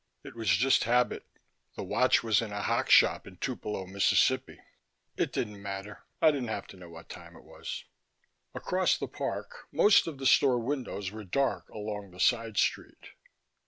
It was just habit; the watch was in a hock shop in Tupelo, Mississippi. It didn't matter. I didn't have to know what time it was. Across the park most of the store windows were dark along the side street.